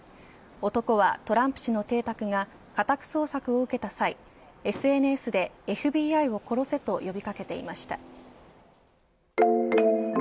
男はトランプ氏の邸宅が家宅捜索を受けた際ＳＮＳでＦＢＩを殺せと呼び掛けていました。